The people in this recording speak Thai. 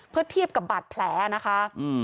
เพื่อเทียบกับบาดแผลนะคะ